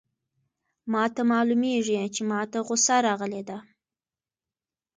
ما ته معلومیږي چي ما ته غوسه راغلې ده.